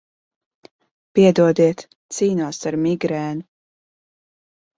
Piedodiet, cīnos ar migrēnu.